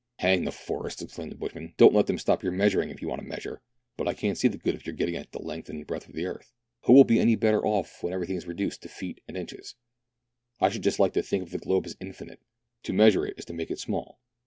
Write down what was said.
" Hang the forests !" exclaimed the bushman, " don't let then; stop your measuring, if you want to measure. But I can't see the good of your getting at the length and breadth of the earth ? Who will be any better off when every thing is reduced to feet and inches ? I should just like to think of the globe as infinite ; to measure it is to make it small.